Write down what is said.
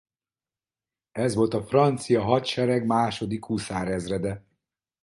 Ez volt a francia hadsereg második huszárezrede.